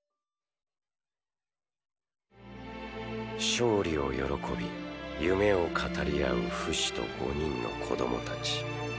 勝利を喜び夢を語り合うフシと５人の子どもたち。